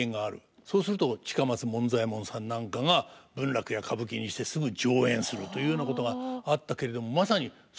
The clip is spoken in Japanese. そうすると近松門左衛門さんなんかが文楽や歌舞伎にしてすぐ上演するというようなことがあったけれどもまさにそれと一緒ですよね。